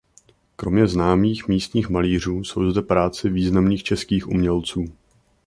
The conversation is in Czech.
Kromě známých místních malířů jsou zde práce významných českých umělců.